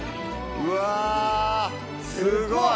うわぁ、すごい！